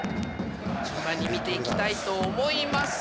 順番に見て行きたいと思います。